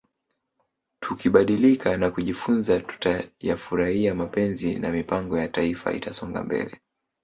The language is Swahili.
Tukibadilika na kujifunza tutayafurahia mapenzi na mipango ya Taifa itasonga mbele